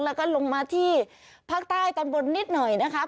แล้วก็ลงมาที่ภาคใต้ตอนบนนิดหน่อยนะคะ